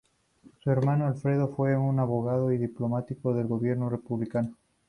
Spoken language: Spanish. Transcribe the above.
Su hermano Alfredo fue un abogado y diplomático del gobierno republicano.